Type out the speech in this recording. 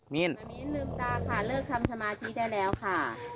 มิ้นลืมตาค่ะเลิกทำสมาธิได้แล้วค่ะ